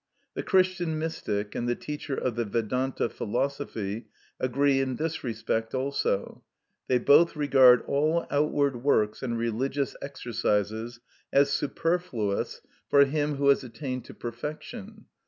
The Christian mystic and the teacher of the Vedanta philosophy agree in this respect also, they both regard all outward works and religious exercises as superfluous for him who has attained to perfection.